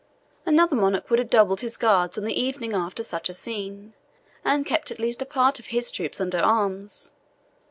Another monarch would have doubled his guards on the evening after such a scene, and kept at least a part of his troops under arms.